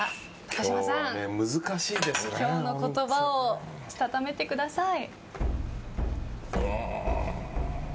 今日の言葉をしたためてください。